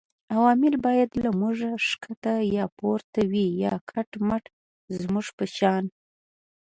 عوامل باید له موږ ښکته یا پورته وي یا کټ مټ زموږ په شان